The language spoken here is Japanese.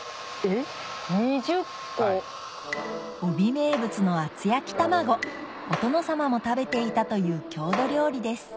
飫肥名物の厚焼き卵お殿様も食べていたという郷土料理です